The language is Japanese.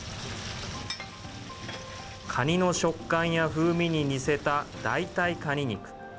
カニの食感や風味に似せた代替カニ肉。